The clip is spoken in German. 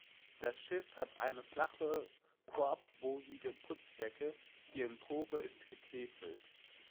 Das Schiff hat eine flache, korbbogige Putzdecke; die Empore ist getäfelt.